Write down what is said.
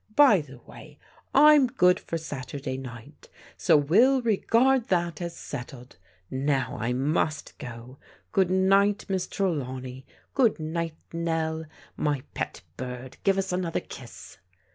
By the way^ I'm good for Saturday night, so we'll re^ gard that as settled. Now, I must go. Good night, Miss Trelawney. Good night, Nell, my pet bird, give us an other kiss."